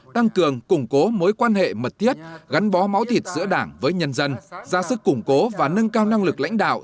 tăng cường củng cố mối quan hệ mật thiết gắn bó máu thịt giữa đảng với nhân dân ra sức củng cố và nâng cao năng lực lãnh đạo